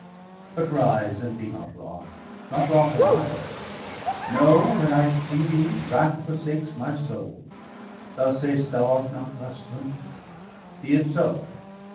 But rise, and be not wroth! not wroth am I; No, when I see thee, wrath forsakes my soul. 430 Thou say'st, thou art not Rustum; be it so!